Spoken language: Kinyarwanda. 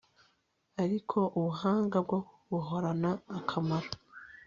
ariko ubuhanga bwo buhorana akamaro